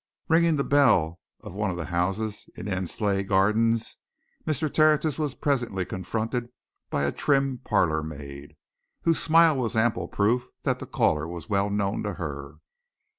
Ringing the bell of one of the houses in Endsleigh Gardens, Mr. Tertius was presently confronted by a trim parlourmaid, whose smile was ample proof that the caller was well known to her.